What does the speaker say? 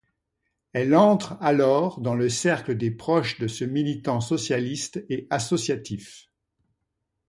Elle entre alors dans le cercle des proches de ce militant socialiste et associatif.